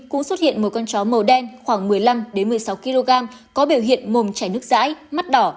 cũng xuất hiện một con chó màu đen khoảng một mươi năm một mươi sáu kg có biểu hiện mùm chảy nước rãi mắt đỏ